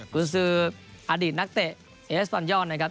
คุณซื้ออดีตนักเตะเอสวันยอนนะครับ